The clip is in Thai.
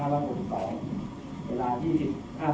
ก็คือโควิดละทั้งระเบิดทั้งเตรียมโชว์ฉวยต่าง